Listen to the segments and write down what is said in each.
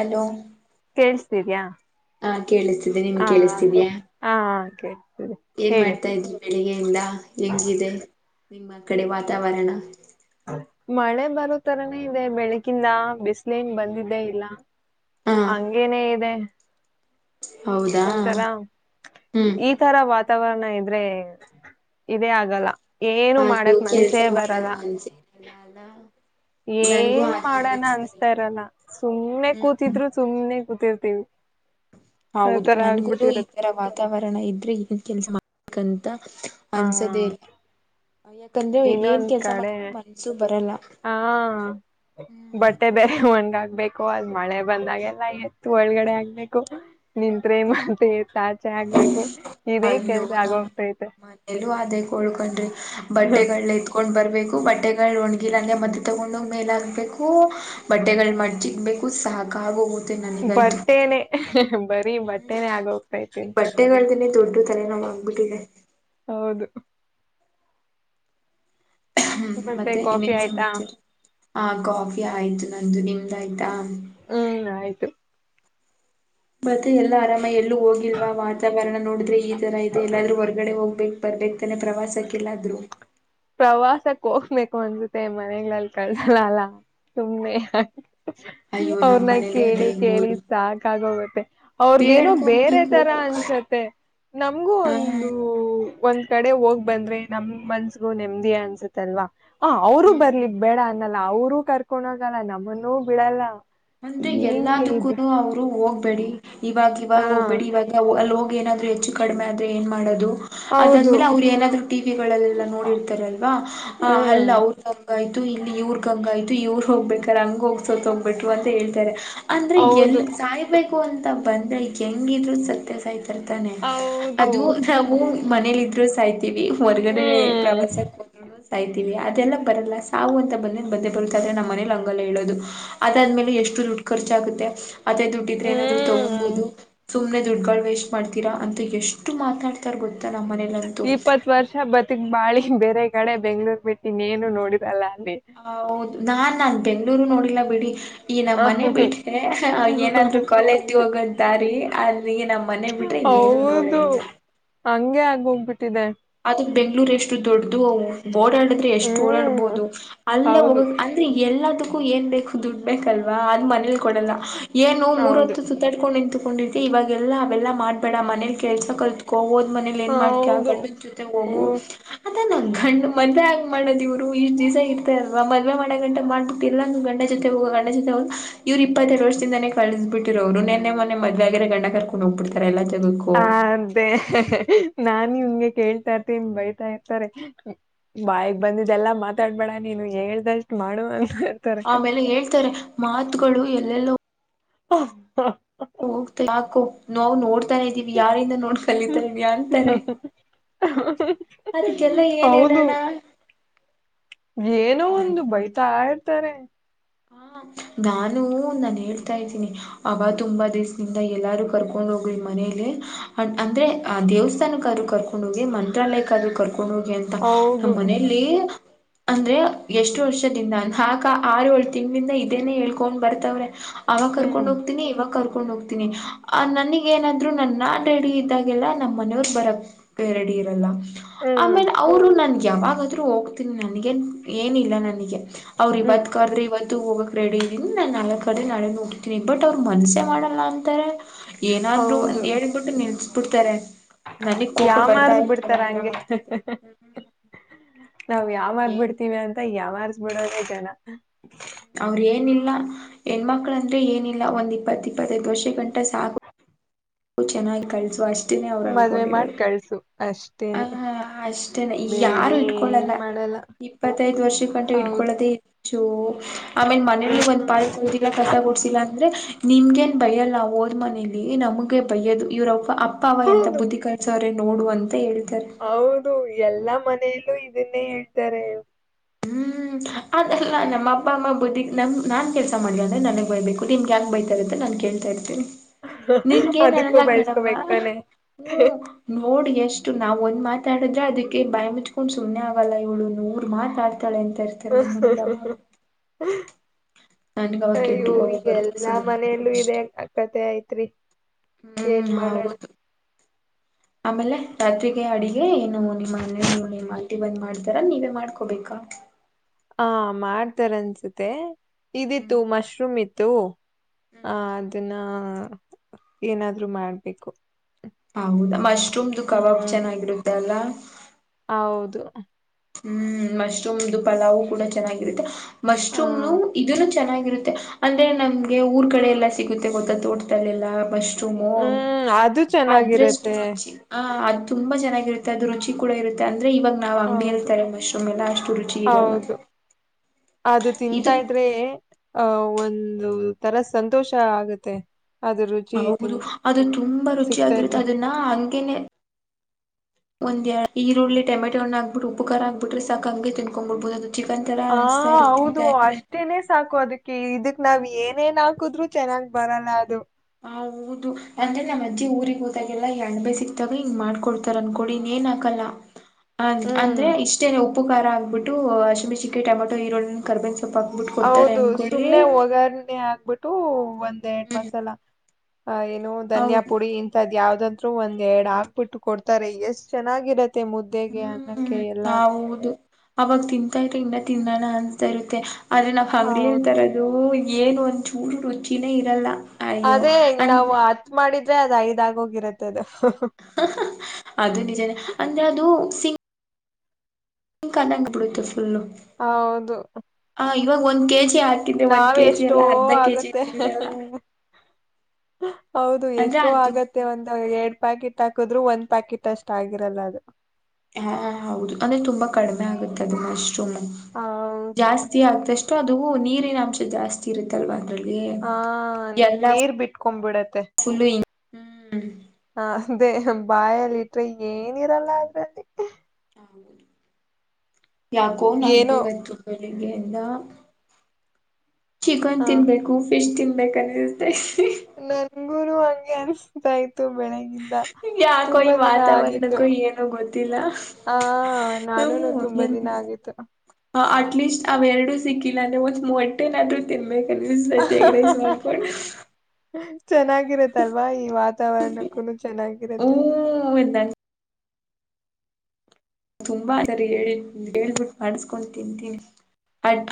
Hello. ಕೆಲಸ್ಸಿದೀಯಾ. ಹಾ ಕೇಳಿಸ್ತಿದೆ ನಿಮ್ ಕೇಳಿಸ್ತಿದ್ಯಾ. [unintelligible] ಏನ್ ಹೇಳಿ ಮಾಡ್ತಾ ಇದ್ರಿ. ಬೆಳ್ಗೆಯಿಂದ. ಎಂಗಿದೆ ನಿಮ್ಮ ಕಡೆ ವಾತಾವರಣ ಮಳೆ ಬರೋ ತರನೇ ಇದೆ ಬೆಳಗಿಂದ ಬಿಸಲ ನ್ ಬಂದಿದ್ದೇ ಇಲ್ಲ ಹಾ ಹಂಗೇನೇ ಇದೆ ಹೌದಾ ಒಂಥರಾ ಹ್ಮ್ ಈ ತರ ವ ವಾತಾವರಣ ಇದ್ರೆ ಇದೇ ಆಗಲ್ಲ ಏನು ಹಾಗೆಯೂ ಮಾಡಕ್ ಮನ್ಸೇ ಕೆಲ್ಸ ಬರಲ್ಲ ಮಾಡಕ್ ಮನ್ಸಿರಲ್ಲ ಅಲ್ಲ ನನ್ಗೂ ಏನ್ ಹಾಗೆ ಮಾಡಣ ಅನ್ನಿಸ್ತಾ ಅನ್ಸ್ತಾ ಇತ್ತು ಇರಲ್ಲ ಸು್ನೆ ಹ್ಮ್ ಕೂತಿದ್ರು ಸುಮ್ನೆ ಗೂತ್ತರ್ತೀವಿ ಹೌದು ನನ್ಗು ಈ ತರ ವಾತಾವರಣ ಇದ್ರೆ ಈನ್ ಕೆಲ್ಸ ಮಾಡ ಕ ಆನ್ಸರ್ ಇನ್ನೊಂದ ಕಡೆ ಬರಲ್ಲ ಹಾ ಹ್ಮ್ ಬಟ್ಟೆ ಬೇರೆ ಹಣ ಆಬೇಕು ಅದ್ ಮಳೆ ಬಂದಾಗೆಲ್ಲ ಎತ್ತು ಒಳಗಡೆ ಆಗ್ಬೇಕು ನಿಂತ್ೇ ಮಾೆ ಇ ಅಯ್ಯೋ ನಮ್ಮ ಆಗೋಗ್ತೈತೆ ಮನೇಲ್ಲೂ ಅದೇ ಕಳ್ಕೊಂಡ್ರಿ ಬಟ್ ಡೆ ಕಲು ತಗೊಂಡ್ ಬರ್ಬೇಕು ಬಟ್ಟೆಗಳು ಒಣ್ಗಿಲಂದ ಮದ್ದೆ ತಗೊಂಡೋಗ್ ಮೇಲ ಹಾಕ್ಬೇಕು ಬಟ್ಟೆಗಳು ಮಜಜಿಗ್ಬೇಕು ಸಾಕಾಗ ಬರ್ತೇನೆ ಹ್ಮ್ ಈ ಬಟ್ಟೆಗಳ್ದಿನೇ ದೊಡ್ಡ ತಲೆ ನಾವ್ ಆಗ್ಬಿಟ್ಟಿದೆ ಹೌದು ಹ್ಮ್ ಮತ್ತೆ ಕಾಫಿ ಇನ್ನೇನ್ ಆಯ್ತಾ ಸಮಾಚಾರ ಹ ಕಾಫಿ ಆಯ್ತು ನಂದು ನಿಮ್ದ ಆಾಯ್ತಾ ಹ್ಮ್ ಆಯ್ತು ಮತ್ತೆ ಎಲ್ಲ ಆರಾಮ ಎಲ್ಲೂ ಹೋಗಿಲ್ವಾ ವಾತಾವರಣ ನೋಡಿದ್ರೆ ಈ ತರ ಇದೆ ಎಲ್ಲಾದ್ರೂ ಹೊರ್ಗಡೆ ಹೋಗ್ಬೇ ಬರ್ಬೇಕ್ತಾನೆ ಪ್ರವಾಸಕ್ಕೆಲ್ಲಾದ್ರೂ. ಪ್ರವಾಸಕ್ ಹೋಗಬೇಕು ಅನ್ಸತೆ ಮನೆಗ್ಲ್ಲಿ ಕಳ್ಸಲ ಅಲ್ಲ ಸುಮ್ನೆ ಅಯ್ಯೋ ನಮ್ ಅವ್ರನ್ನ ಮನೇಲೂ ಅದೇ ಕೇಳಿ ಕೇಳಿ ಗೋಳು ಸಾಕಾಗೋಗುತ್ತೆ ಅವ್ರಗೇನೋ ಬೇರೆ ಬೇಡ್ಕೊಬೇಕು ತರ ಅನ್ಸತ್ತೆ ನಮ್ಗೂ ಆ, ಒಂದು ಒಂದ್ ಕಡೆ ಹೋಗ್ ಬಂದ್ರೆ ನಮ್ ಮನ್ಸ ೂ ನೆಮ್ಮದಿೇ ಅನ್ಸುತ್ತಲ್ವಾ ಹ ಅವರುೂ ಹ್ಮ್ ಬರ್ಲಿ ಬೇಡ ಅ ಲ್ಲ ಅವರುೂ ಕರ್ಕೊಂಡ ಹೋಗಲ್ಲ ನಮ್ಮನ್ನೂ ಬಿಡಲ್ಲ ಅಂದೆ ಹೆಂಗೆ ಇದು ಎಲ್ಲದಕ್ಕೂನು ಅವರು ಹೋಗ ಬಡಿ ಇವಾಗ್ ಹಾ ಇವಾಗ್ ಹೋಗ್ಬೇಡಿ ಇವಾಗ ಅಲ್ಲೋ ಏನಾದ್ರು ಹೆಚ್ಚು ಕಡಿಮೆ ಆದ್ರೆ ಏನ್ ಮಾಡೋದು. ಹೌದು ಅದಾದ್ಮೇಲೆ ಅವರು ಏನಾದ್ರು ಟಿವಿಗಳಲ್ಲೆಲ್ಲಾ ನೋಡಿರ್ತಾರಲ್ವಾ ಅಲ್ ಹ್ಮ್ ಅವ್ರಗ್ ಹಂಗಾಯ್ತು ಇಲ್ಲಿ ಇವ್ರಗ್ ಹಂಗಾಯ್ತು ಇವ್ರು ಹೋಗ್ಬ ಕಳಂಗ್ ಹೋಗ್ ಸೋತೋಗ್ಬಿಟ್ ಮತ್ತ ಹೇಳ್ತಾರೆ. ಅಂದ್ರೆ ಎಲ್ ಹೌದು ಸಾಯ್ಬೇಕ್ ಕು ಅಂತ ಬಂದ್ರೆ ಹೆಂಗಿದ್ರು ಸತ್ತೆ ಸಾಯ್ ರ್ತಾನೆ ಹೌದು ಅದು ನಾವು ಮನೇಲಿ ದಿವ್ಸ್ ಅಯ್ ತಿವಿ ಹೊರಗಡೆ ಹ್ಮ್ ಪ್ರವಾಸಕ್ಕೆ ಹೋದ್ರುನು ಸಾ ಸಾಯ್ತೀವಿ ಅದೆಲ್ಲ ಬರಲ್ಲ ಸಾವು ಅಂತ ಬಂದ್ಮೇಲೆ ಬಂದೆ ಬರುತ್ತ್ ಆದ್ರೆ ನಮ್ಮ ಮನೇಲಿ ಹಂಗಲ್ಲ ಹೇಳೋದು. ಅದಾದ್ಮೇಲೆ ಎಷ್ಟು ದುಡ್ಡು ಖರ್ಚಾಗುತ್ತೆ ಅದೇ ದುಡ್ಡಿದ್ರೆ ಏನಾದ್ರು ಹ್ಮ್ ತೊಗೊಬೋದು ಸುಮ್ಮನೆ ದುಡ್ಡುಗಳು ವೇಸ್ಟ್ ಮಾಡ್ತೀರಾ ಅಂತ ಎಷ್ಟು ಮಾತಾಡ್ತಾರೆ ಗೊ ಇಪ್ಪತ್ ವರ್ಷ ಬತಿಕ್ ಬಾಳಿ ಬೇರೆ ಕಡೆ ಬೆಂಗ್ಳೂರ್ ಬಿಟ್ ಇನ್ನೇನು ನೋಡರಲ್ಲ. ಹೌದ್ ನಾನಾ ಬೆಂಗ್ಗಳೂರು ನೋಡಿಲ್ಲ ಬಿಡಿ. ಈ ನಮ್ಮ್ ಮನೆ ಹ ಬಿಟ್ರೆ ಏನಾದ್ರು ಕಾಲೇಜ್ಗೆ ಹೋಗ ದಾರಿ ಅ ಈಗ ನಮ್ಮ್ ಮನೆ ಬಿಟ್ರೆ ಇನ್ನೇನು ನೋಡೇ ಹೌದು ಇಲ್ಲ ಹಂಗೆ ಆಗ್ ಹೋಗ್ಬಿಟ್ಟಿದೆ. ಅದಕ್ ಬೆಂಗ್ಳೂರ್ ಎಷ್ಟು ದೊಡ್ಡದು ಅವು ಓಡಾಡಿದ್ರೆ ಎಷ್ಟು ಹ್ಮ್ ಓಡಾಡ್ಬಹುದು ಅಲ್ಲೇ ಹೋಗ ಹೌದು ಅಂದ್ರೆ ಎಲ್ಲ ಅದಕ್ಕೂ ಏನ್ ಬೇಕು ದುಡ್ ಬೇಕಲ್ವಾ ಅದು ಮನೇಲ್ ಕೊಡಲ್ಲ. ಏನು ಹೌದು ಮೂರೊತ್ತು ಸುತ್ತಾಡ್ಕೊಂಡು ನಿಂತ್ ಕೊಂಡತಿ ಇವಾಗೆಲ್ಲ ಅವೆಲ್ಲ ಮಾಡ್ಬೇಡ ಮನೇಲಿ ಕೆಲ್ಸ ಕಲ್ತ್ಕೋ ಓದ್ ಮನೇಲಿ ಏನ್ ಮಾಡ್ತಿಯಾ ಹೌದು ಗಂಡನ್ ಜೊತೆಗ್ ಹೋಗು ಹ್ಮ್ ಅದೇ ನನ್ ಗಂಡ ಮದ್ವೆ ಆಗ ಮಾಡೋ ಇವ್ರು ಇಷ್ಟ ದಿವಸ ಇರ್ತಾರಲ್ ಮದ್ೆ ಮಾಡ ಗ ಅಂತ ಮಾಡ್ಬಿಟ್ಟು ಎಲ್ಲಾ ಗಂಡ ಜೊತೆ ಹೋಗೋ ಗಂಡ ಜೊತೆ ಹೋಗ ಇವರು ಇಪ್ಪತ್ತೆರಡು ವರ್ಷದಿಂದಾನೇ ಕಳಿಸ್ಬ ಬಿಟ್ಟಿರ ಅವರು ನೆ ಮೊೆ ಮದ್ೆಗರೆ ಗಂಡಗೆ ಕರ್ಕೊಂಡು ಹೋಗ್ಬಿಡ್ತಾರೆ ಎಲ್ಲ ಹ ಅದೇ ನಾ ನಿಮ್ಗೆ ಕೇಳ್ತಾ ಇರ್ ತಿನ್ ಬೈತಾ ಇರ್ತಾರೆ ಬಾಯಿಗೆ ಬಂದಿದೆ ಎಲ್ಲಾ ಮಾತಾಡ್ಬೇಡ ನೀನು ಹೇಳ್ದಷ್ಟು ಮಾಡು ಇರ್ತಾರೆ ಆಮೇಲೆ ಹೇಳ್ತಾರೆ ಮಾತುಗಳು ಎಲ್ಲೆಲ್ಲೋ ಹ ಹ ನಾವ್ ನೋಡ್ ಹ್ಮ್ ಹ್ಮ್ ಕಲಿತಾರೆ ಅಂತಾರೆ ಹ್ಮ್ ಹಿ ಅದಕ್ಕೆಲ್ಲ ಏನ್ ಹೌದು ಹೇಳೋಣ ಏನೋ ನನ್ ಒಂದು ಬೈತ ಇರ್ ತಾರೆ. ಹ ನಾನು ನಾನು ಹೇಳ್ತಾ ಇದ್ದೀನಿ ಅವಬ ತುಂಬಾ ದಿವ್ಸದಿಂದ ಎಲ್ಲಾರು ಕರ್ಕೊಂಡ್ ಹೋಗ್ಿ ಮನೇಲಿ ಅ ಅಂದ್ರೆ ಆ ದೇವಸ್ಥಾನಕ್ಕಾದರು ಕರ್ಕೊಂಡ್ ಹೋಗಿ ಮಂತ್ರಾಲಯಕ್ಕಾದರು ಕರ್ಕೊಂಡ ಕೊಂಡು ಹೋಗಿ ಅಂತ ನಮ್ಮ ಹೌದು ಮನೆಯಲ್ಲಿ ಅಂದ್ರೆ ಎಷ್ಟು ವರ್ಷದಿಂದ ಆಕ ಆರು ವರ್ಷ ತಿಂಗಳಿಂದ ಇದೇನೆೇ ಹೇಳ್ಕೊಂಡ್ ಬರ್ತವ್ರೆ ಅವಾಗ ಹ್ಮ್ ಕರ್ಕೊಂಡ್ ಹ್ಮ್ ಹೋಗ್ತನಿ ಇವ ಕರ್ ಕಕೊಂಡು ಹೋಗ್ತನಿ ನನಗ ಏನಾದ್ರು ನನ್ನ ನಾನು ರೆಡಿ ಇದ್ದಾಗೆಲ್ಲ ನಮ್ಮ ಮನೆಯವ್ರು ಬರಕ್ ರೆಡಿ ಇರಲ್ಲ ಆಮೇಲೆ ಅವರು ನನ್ಗೆ ಯಾವಾಗಾದ್ರೂ ಹೋಗ್ತೀನಿ ನನಗೆ ಏನಿಲ್ಲ ನನ್ ಅವ್ರ ಹ್ಮ್ ಇವತ್ ಕ್ರೆ ಇವತ್ತು ಹೋಗೋಕ್ ರೆಡಿ ಇದೀನಿ ನಾನು ನಾಲ್ಕು ಅದೆ ನಾಳೆ ನೋಡ್ತೀನಿ ಬಟ್ ಅವ್ರು ಮನಸೆ ಮಾಡಲ್ಲ ಅಂತಾರೆ ಏನಾದ್ರು ಅಂತ ಹೌದು ಹೇಳಬಿಟ್ಟು ನಿನ್ ಬಿುಡ್ತಾರೆ ನನಗ್ ಕೋಪ ಬರ್ತಾ ಯಾಮಾರ್ಸ್ ಬಿಡ್ತಾರ ಇತ್ತುಂಗಗೆಲ್ಲಾ ಹಂಗೆ ಮಾಡ್ತಾರಿ ಯಾವ್ಾಗ್ಬಿಡ್ತಿೀವಿ ಅಂತ ಯಾವ ಮಾರಸ್ ಬಿಿಡೋ ಬೇಜಾನ ಅವ್ರ ಏನಿಲ್ಲ ಹೆಣ್ಮಕ್ಳಂದ್ರೆ ಏನಿಲ್ಲ ಒಂದ್ ಇಪ್ಪತ್ ಇಪ್ಪತ್ತೈ್ ವರ್ಷ ಗಂಟ ನವು ಚೆನ್ನಾಗಿ ಕಳ್ಸೋ ಅಷ್ಟೇ ಅವ್ರು ಮದ್ವೆ ಮಾಡಿ ಅನ್ಕೊಂಡಿರರು ಕಳ್ಸು ಅಷ್ಟೇನೆ ಹಹ ಅಷ್ಟೇನೆ ಬೇರೆ ಯಾರು ಏನ್ ಇಟ್ಕೊೊಳ್ಳಲ್ಲ ಮಾಡಲ್ಲ ಇಪ್ಪತ್ತೈದ ವರ್ಷ ಕಂಟು ಹೌದು ಇಟ್ಕೊೊಳ್ಳದೇ ಹೆಚ್ಚು ಆಮೇಲ್ ಮನೇಲಿ ಒಂದ್ ಹ್ಮ್ ಪಾಲು ತೊಳದಿಲ್ಲ ಕಸ ಕೊಡ್ಸಿಲ್ಲ ಅಂದ್ರೆ ನಿಮ್ಗೆೇನ್ ಭಯಲ್ಲ ಓದ್ ಮನೇಲಿ ನಮ್ಗೆ ಬಯದು ಇವ್ರ ಅಪ್ಪ ಅವ ಎಂತ ಹೌದು ಬುದ್ಧಿ ಕಲ್ಸ್ರ ನೋಡುವಂತ ಹೇಳೇ ಹೌದು ಎಲ್ಲಾ ಮನೆ ಮೇಲ ಇದನ್ನೇ ಹೇಳ್ತಾರೆ ಹ್ಮ್ ಅಲ್ಲ ನಮ್ಮ ಅಪ್ಪ ಅಮ್ಮ ಬುದ್ಧಿಿಗೆ ನಮ್ ನಾನ್ ಕೆಲಸ ಮಾಡ್ಲಿ ಅಂದ್ರೆ ನನಗ್ ಬಯಬೇಕು ನಿಮಗೆ್ಯಾಂಗ ಬೈತಾರೆ ಅಂತ ನಾನು ಕೇಳ್ತಾ ಇರ್ತೀನಿ ಅದಕ್ಕೂ ನಿನ್ಗೇನ್ನಲ್ಲ ಗಣವವ ಬಯಸ್ಕೋಬೇಕತಾನೆ ಹ್ಮ ನೋಡಿ ಎಷ್ಟ ಷ್ಟು ನಾವ್ ಒಂದ್ ಮಾತಾಡಿದ್ರೆ ಅದಕ್ಕೆ ಬಯ ಮುಚ್ಕೊಂಡುಮ್ಮನೆಗಲ್ಲ ಇವಳು ನೂರ್ ಮಾತಾಡ್ ಹತಾಳೆ ಎಂತ ಇರ್ತಾರೆ ನಮ್ಮ್ ಮನಲಿವ ಅಯ್ಯೋ ಬರುತ್ತೆ ಈಗೆಲ್ಲಾ ಸುಮ್ನೆ ಆಗ್ತೀನಿ ಮನೆಯಲ್ಲೂ ಇದೆ ಅಷ್ಟೇ ಕತೆ ಆಐತ್ರಿ ಹ್ಮ್ ಏನ್ ಮಾಡೋಣ ಹೌದು ಆಮೇಲೆ ರಾತ್ಗೆ ಅಡಿಗೆ ನಾವು ನಿಮ್ಮನವು ನಿಮ್ಮ್ತ್ತಿ ಬ್ ಮಾಡ ರ ನೀವೇ ಮಾಡ್ಕೋಬೇಕಾ ಹಾ ಮಾಡ್ತಾರ ಅನ್ಸುತ್ತೆ ಇದಿತ್ತು ಹ್ಮ್ ಮಶ್ರೂಮ್ ಇತ್ತು ತ್ತು ಹ್ಮ್ ಹಾ ಅದನ್ನ ಹ ಏನಾದ್ರು ಮಾಡ್ಬೇಕು ಹೌದಾ ಮಶ್ರೂಮ್ದ ಕಬಾಬ ಹ್ಮ್ ಚೆನ್ನಾಗಿರುತ್ತ ಅಲ್ಲಾ ಹೌದು ಹ್ಮ್ ಮಶ್ರೂಮ್ದು ಪಲಾವ್ ಕೂಡ ಚೆನ್ನಾಗಿರುತ್ತೆ ಹ ಮಶ್ರೂಮ್ ಇದನ್ನು ಚೆನ್ನ ರುತ್ತ ಅಂದ್ರೆ ನಮ್ಗೆ ಊರ್ ಕಡೆ ಎಲ್ಲ ಸಿಗುತ್ತೆ ಗೊತ್ತಾ ತೋಟದಲ್ಲೆಲ್ಲಾ ಮ ಹ್ಮ್ ಅದು ಅದರಷ್ಟು ಚೆನ್ನಾಗಿರತ್ತೆ ರುಚಿ ಹ ತುಂಬ ಚನ್ನಾಗಿರತ್ತೆ ಅದು ರುಚಿ ಕೂಡ ಇರುತ್ತೆ ಅ ಅಂದ್ರೆ ಇವಾಗ ನಾವ್ಂಗಡಿಯ ಹೌದು ಮಶ್ರೂಮ್ ಎಲ್ಲಾ ಅಷ್ಟು ರುಚಿ ಇರೆಲ್ಲ ಹೌದು ಅದು ತಿಂತಾ ಇದ್ರೆ ಅಹ ಒಂದು ತರ ಸಂತೋಷ ಆಗತ್ತೆ ಹೌದು ಅದು ತುಂಬಾ ರುಚಿ ಸಿಗ್ತಾ ಆಗಿರುತ್ತೆ ಇದ್ರೆ ಅದನ್ನ ಒಂದ್ ಎರಡು ಈರುಳ್ಳಿ ಟೊಮೆಟೋಣ ಹಾಕ್ಬಿಟ್ಟು ಉಪ್ಪುಕಾರ ಹಾಕ್ಬಿಟ್ರೆ ಸಾಕು ತಿನಕೋಂಡ್ಬ ಬಿಡ್ಬಹುದು ಅದು ಚಿಕನ್ ತರ ಹ ಅನ್ಸ್ತಾ ಇರುತ್ತೆ ಹೌದು ತಿಂತಾ ಇದ್ರೆ ಅಷ್ಟೇನೆ ಸಾಕು ಅದಕ್ಕೆ ಇದಕ್ ನಾವ್ ಏನೇನ್ ಹಾಕುದ್ರು ಚೆನ್ನಾಗ್ ಬರಲ್ಲ ಅದು ಹ ಹೌದು ಅಂದ್ರೆ ನಮ್ಮ ಅಜ್ಜಿ ಊರಿಗೆ ಹೋದಾಗೆಲ್ಲಾ ಎಂಡ ಬೇ ಸಿಕ್ತಾಗ ಹಿಂಗ್ ಮಾಡ್ಕೊಡ್ತಾರ ಅನ್ಕೊಡಿ ಇನ್ ಏನ್ ಹಾಕಲ್ಲ ಅ ಹ್ಮ್ ಅಂದ್ರೆ ಇಷ್ಟೇ ಉಪ್ಪಕಾರ ಆಗ್ಬಿಟ್ಟು ಅಶಿ ಮೆಣಸಿನಕಾಯಿ ಟಮಟೋ ಈರುಳ್ಳನ್ನ ಕರ ಬೇವಿನ ಸೊಪ್ಪು ಹಾಕ್ಬಿಟ್ಟು ಕೊಡ್ತಾರೆ ಹೌದು ಅನ್ಕೊಳ್ಳಿ ಸುಮ್ನೆ ಒಗಾರ್ನೆೆ ಆಗ್ಬಿಟ್ಟು ಒಂದ್ ಎರಡ್ ಹ್ಮ್ ಮಸಲ ಹ ಏನು ಧನಿಯಾ ಹೌದು ಪುಡಿ ಇಂತದ್ ಯಾವ್ದ ಅರು ಒಂದ ಎರಡ್ ಹಾಕ್ಬಿಟ್ಟು ಕೊಡ್ತಾರೆ ಎಷ್ಟ್ ಚೆನ್ನಾಗಿರತ್ತೆ ಮುದ್ದೆಗೆ ಹ್ಮ್ ಅನ್ನಕ್ಕೆ ಎಲ್ಲ ಹೌದು ಅವಾಗ ತಿಂತಾ ಇಂದ್ರ ತಿನ್ನೋಣ ಅನ್ತಾ ಇರುತ್ತೆ ಆದ್ರೆ ನಾವ್ ಹಂಗ್ಲಿ ಹೌದು ಇರ್ತಾರ ಅದು ಏನು ಒಂದ್ ಚೂರು ರುಚಿನೇ ಇರಲ್ಲ ಅಯ್ಯೋ ಅದೇ ನಾವು ಅಂದ್ರೆ ಅತ್ ಮಾಡಿದ ಅದ ಐದ ಆಗೋಗಿರುತ್ತೆ ಅದು ಅದು ನಿಜನೇ ಅಂದ್ರೆ ಅದು ಸಿ ಹಣಂಗ ಬಿಡಿತ ಹೌದು ಇವಾಗ ಒಂದ ಕೆ ಜಿ ಚಿ ಹಾಕಿದ್ದೆ ಒಂದ್ ನಾವ್ ಕೆಜಿ ಎಷ್ಟೋ ಎಲ್ಲ ಅರ್ಧ ಕೆಜಿ ಎಲ್ಲ. ಹ ಹೌದು ಎಷ್ಟೋ ಆಗತ್ತೆ ಒಂದು ಎರಡ್ ಪ್ಯಾಕೆಟ್ ಎಸ್ಟ್ ಹಾಕಿದ್ರ್ ಒಂದ್ ಪ್ಯಾಕೆಟ್ ಅಷ್ಟ ಆಗಿರಲ್ಲ ಅದು ಹಾ ಹೌದು ಅಂದ್ರೆ ತುಂಬಾ ಕಡಿಮೆ ಆಗುತ್ತೆ ಅದ ಅಷ್ಟು. ಮ್ಮ ಹೌದು ಜಾಸ್ತಿ ಆಗ್ದಷ್ಟ ಅದು ನೀರಿನ ಅಂಶ ಜಾಸ್ತಿ ಇರುತ್ತಲ್ವಾ ಅಂದ್ರಲ್ಲಿ ಹ ನೀರ್ ಬಿಟ್ಕೊಬಿಡತ್ತೆ ಫುಲ್ ಹ್ಮ್ ಹ ಅದೇ ಬಾಯಲ್ಲಿ ಇಟ್ರೆ ಏನಿರಲ್ಲ ಅದ್ರಲ್ಲಿ ಹೌದು ಯಾಕೋ ನನ್ಕೂ ಏನೋ ಇವತ್ತು ಬೆಳಗ್ಗೆ ಇಂದ ಚಿಕನ್ ಹಾ ತಿನ್ಬೇಕು ಫಿಶ್ ತಿನ್ಬೇಕು ಮಕ್ ಕನಸ್ ನಂಗುನು ಹಂಗೆ ಅನ್ಸ್ತಾತೈತೆ ಬೆಳಗ್ಗೆ ಇಂದ ಯಾಕೋ ಈ ವಾತಾವರಣಕ್ಕೂ ಏನು ಗೊತ್ತಿಲ್ಲ ಹಾ ನಾನುನು ಹ್ಮ ತುಂಬಾ ನ್ ದಿನ ಆಗಿತ್ತು ಅಟ್ ಲೀಸ್ಟ್ ಅವೆರಡುೂ ಸಿಕ್ಕಿಲ್ಲ ಅಂದ್ರೆ ಒಂದ ಮೊಟ್ಟೆನಾದ್ರು ತಿನ್ಬೇಕು. ಕತಿ ಎಗ್ರಸ ಗತಿ ಎಗ್ಗ್ರಿಸೇ ಮಾಡ್ಕೊಂಡ ಚೆನ್ನಾಗಿರತ್ತಲ್ವಾ ಈ ವಾತಾವರಣಕ್ಕೂ ಹೂ ಚೆನ್ನಾಗಿರುತ್ತೆ ನನ್ ತುಂಬಾ ಸರಿ ಹೇಳಿ ಹೇಳ್ಬಿಟ್ಟು ಮಾಡಸ್ಕೊಂಡ್ ತಿಂತೀನಿ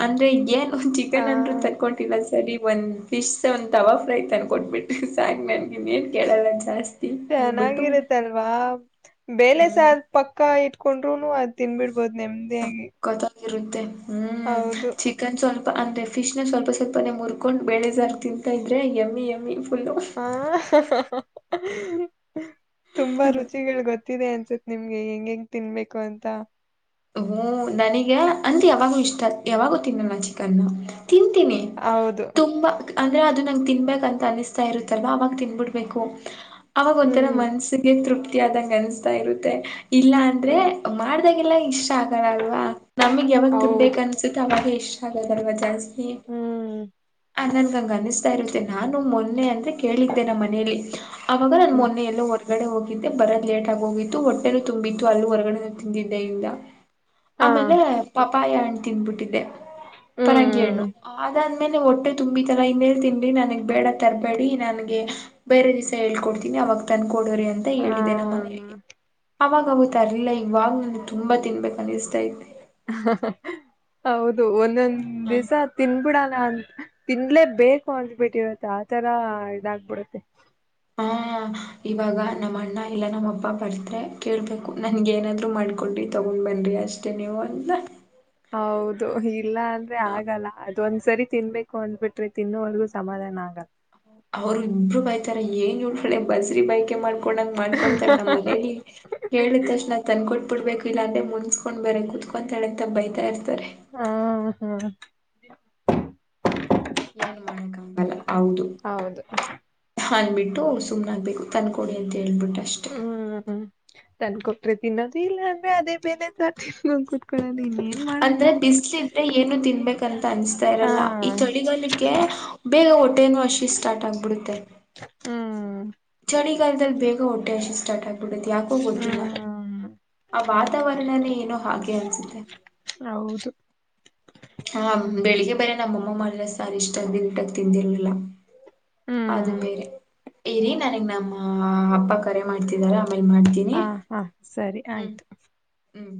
ಅಂದ್ರೆ ಈಗೇನ ಹಾ ಚಿಕನ್ ಅಂದರು ತಂದ ಕೊಟ್ಟಿಲ್ಲ ಸರಿ ಒಂದ ಫಿಶ್ ಒಂದು ತವಾ ಫ್ರೈಯ ತಂದ ಕೊಟ್ಬಿಟ್ಟು ಸಾಕ್ ನನ್ಗನ್ನೇನ್ ಕೇಳಲ್ಲ ಜಾಸ್ತಿ ಅಂದ್ಬಿಟ್ಟು ಚೆನ್ನಾಗಿರುತ್ತಲ್ವಾ ಬೆಳೆ ಹ್ಮ್ ಸಾರ ಪಕ್ಕ ಇಟಕೊಂಡ. ಕೊಂಡ್ರುನುಯ್ ತಿನ್ಬಿಡ್ ಹಗ್ಬೋದು ನೆಮ್ದೇಾಗಿ ಇರುತ್ತೆ. ಹೌದು ಅಂದ್ರೆ ಫಿಶ್ ನ ಸ್ವಲ್ಪ ಸ್ವಲ್ಪನೆೇ ಮುರ್ಕೊಂಡ್ ಬೆಳೆದಾರ ತಿಂತ ಇದ್ರೆ ಎಮ್ಮಿ ಎಮ್ಮಿ ಫುಲ್ಲು ಹಾ ಹಾ ಹಾ ಹಾ ಹ ಹಾ ತುಂಬಾ ರುಚಿಗಳು ಗೊತ್ತೆ. ತ್ತಿದೆ ಅನ್ಸತ್ ನಿಮ್ಗೆ ಹೆಂಗ ಹೆಂಗ್ ತಿನ್ಬೇಕು ಅಂತ ಹ್ಮ ನನಗ ಅಂತ ಯಾವಾಗೂ ಇಷ್ಟ ಯಾವಾಗೂ ತಿನ್ನಣ ಚಿಕನ್ನ ತಿಂತೀನಿ ಹೌದು ತುಂಬಾ ಅಂದ್ರೆ ಅದು ನನಗ ತಿನ್ಬೇಕಂತ ಅನಿಸ್ತಾ ಇರುತ್ತಲ್ ಅವಾಗ ತಿನ್ಬಿಡ್ಬೇಕು ಅವಾಗ ಒಂಥರ ಹ್ಮ್ ಮನ್ಸ್ಸಿಗೆ ತೃಪ್ತಿ ಆದಂ ಅನ್ಸ ಇರುತ್ತೆ ಇಲ್ಲ ಅಂದ್ರೆ ಹ್ಮ್ ಮಾಡ್ದಾಗೆಲ್ಲ ಇಷ್ಟ ಇಷ್ಟ ಆಗಲ್ಲಲ್ವಾ ನಮಗ್ ಯಾವಾಗ ತಿನ್ಬೇಕು ಹೌದು ಅನ್ಸುತ್ತೆ ಅವಾಗ ಇಷ್ಟ ಆಗ ದರ್ವಜಾಜಸ್್ ಹ್ಮ್ [unintelligible] ಆನಂದ ಗಂಗಾನ ಇತ್ತೆ ನಾನು ಮೊನ್ನೆ ಅಂದ್ರೆ ಕೇಳಿದ್ದೆ ನಮ್ಮ ಮನೆಯಲ್ಲಿ ಅವಾಗ ನನ್ ಹ್ಮ್ ಮೊನ್ನೆ ಎಲ್ಲ ಹೊರಗಡೆ ಹೋಗಿದ್ದೆ ಬರೋದ ಲೇಟ್ ಆಗ ಹೋಗಿತ್ತು ಹೊಟ್ಟೆನ ತುಂಬಿತ್ತು ಅಲ್ಲಿ ಹೊರಗಡೆ ತಿಂದಿದ್ದ ಇಂದ ಹಾ ಆಮೇಲೆ ಪಪಾಯ ಹಣ್ಣು ತಿಂದ್ಬಿಟ್ಟಿದೆ ಪರಂಗಿಹಣ್ಣು ಹ್ಮ್ ಆದ ಆಮೇಲೆ ಹೊಟ್ಟೆ ತುಂಬಿತಲ್ಲಾ ಇನ್ನೇಳ್ ತಿನ್ರಿ ನನಗ್ ಬೇಡ ತರಬೇಡಿ ನನ್ಗೆ ಬೇರೆ ದಿವಸ ಹೇಳ್ಕೊಡ್ತೀಿ ಅವಾಗ ತನ್ ಕೊಡರಿ ಅಂತ ಹ ಹೇಳಿದೆ ನಮ್ಮ ಮನೆಯಲ್ಲಿ ಅವಾಗವತ್ತುರಿಲ್ಲ ಇವಾಗ ನನಗೆ ತುಂಬಾ ತಿನ್ಬೇಕು ಅ ಹೌದು ಒಂದೊಂದು ದಿಸ ತಿನ್ ಬಿಡಲ್ಲ ಅಂತ ತಿಂನಲೇ ಬೇಕು ಅಂದಬಿಟ್ಟಿರತ್ತ ಆತರ ಇದಾಗಬಿಡುತ್ತೆ ಹ ಇವಾಗ ನಮ್ಮ ಅಣ್ಣ ಇಲ್ಲ ನಮ್ಮ ಅಪ್ಪ ಬರ್ದ್ರೆ ಕೇಳ್ಬೇಕು ನನ್ಗ ಏನಾದ್ರು ಮಾಡ್ಕೊಂಡ್ರಿ ತಗೊಂಡ್ ಬನ್ನಿ ಅಷ್ಟೇ ನೀವು ಅಂತ ಹೌದು ಇಲ್ಲ ಅಂದ್ರೆ ಆಗಲ್ಲ ಅ ಒಂದ್ ಸರಿ ತಿನ್ಬೇಕು ಅಂದ್ಬಿಟ್ರೆ ತಿನ್ನೋವಲ್ಗೂ ಸಮಾಧಾನ ಆಗಲ್ಲ. ಅವ್ರು ಇಬ್ರು ಬೈತಾರೆ ಏನ್ ನೋಡ್ಕಳೆ ಬಸ್ರಿ ಬಯಕೆ ಮಾಡ್ಬ. ಕೂಡ ಮಾಡ್ಕೊಂತಳ ನಮ್ಮ ಮನೇಲಿ ಹೇಳಿದ ತಕ್ಷ್ ನಾ ತಂದಕೊಟ್ ಬಿಡ್ಬೇಕು ಇಲ್ಲ ಅಂದೆ ಮುಣಿಸಸ್ಕೊಂಡ್ ಬರ ಕುತ್ಕಂತ ಹೇಳತ ಬೈತಾ ಇರ್ತಾರೆ ಹಾ ಹಾ ಏನ್ ಮಾಡಕಾಗಲ್ಲ ಹೌದು ಹೌದು ಹಂದ್ಬಿಟ್ಟು ಸುಮ್ಮನಾಗಕ್ಬೇಕು ತಂದ ಕೊಡಿ ಅಂತ ಹೇಳ್ಬಿಟ್ಟು ಅಷ್ಟೆ. ಹ್ಮ್ಮ್ ಹ್ಮ್ ತನ್ಕೂಟರೆ ತಿನ್ನೋದು ಇಲ್ಲ ಅಂದ್ರೆ ಅದೇ ಬೇಲೆ ತಿ ಹ್ಮ್ ಅಂದ್ರೆ ಬಿಸಲು ಇದ್ರೆ ಏನು ತಿನ್ಬೇಕಂತ ಅನಿಸ್ತಾ ಹಾ ಇರಲ್ಲ ಈ ಚಳಿಗಾಲಕ್ಕೆ ಬೇಗ ಒಟ್ಟ. ಟನ್ ವರ್ಷ ಸ್ಟಾರ್ಟ್ ಆಗಿಬಿಡುತ್ತೆ. ಹ್ಮ್ ಚಳಿಗಾಲದಲ್ಲಿ ಬೇಗ ಹೊಟ್ಟೆ ಹಸಿ ಸ್ಟಾರ್ಟ್ ಆಗ್ಬಿಡೆ ಯಾಕೋ ಗೊತ್ತಿಲ್ಲ ಹ್ಮ್ ಆ ವಾತಾವರಣನೇ ಏನೋ ಹಾಗೆ ಅನ್ಸುತ್ತೆ. ಹೌದು ಹ ಬೆಳಿಗ್ಗೆ ಬೆರೆ ನಮ್ಮಮ್ಮ ಮಾಡಿರೋ ಸಾರ ಇಷ್ಟಿಟಕ್ ತಿಂದಿರಲಿಲ್ಲ. ಅದು ಹ್ಮ್ ಬೇರೆ. ಇರಿ ನನಗ್ ನಮ್ಮ ಅಬ್ಬ ಕರೆ ಮಾಡ್ತಿದಾರೆ. ಹಾ ಹಾ ಸರಿ ಆಯ್ತು. [inaudible] ಹ್ಮ್